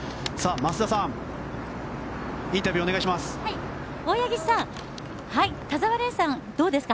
増田さんインタビューをお願いします。